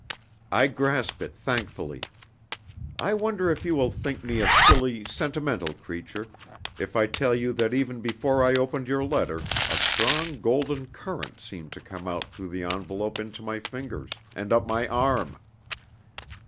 "I grasp it thankfully. I wonder if you will think me a silly, sentimental creature, if I tell you that even before I opened your letter a strong golden current seemed to come out through the envelope into my fingers, and up my arm?